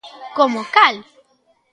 Como cal?